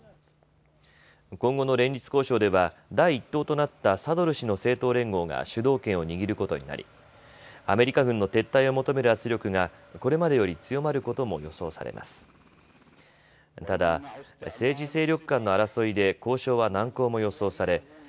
今後の連立交渉では第１党となったサドル師の政党連合が主導権を握ることになりアメリカ軍の撤退を求める圧力がこれまでより強まることも予想されます。